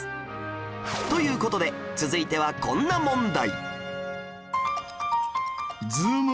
という事で続いてはこんな問題